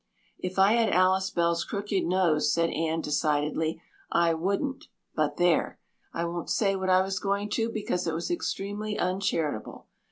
"If I had Alice Bell's crooked nose," said Anne decidedly, "I wouldn't but there! I won't say what I was going to because it was extremely uncharitable.